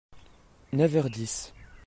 Neuf heures dix.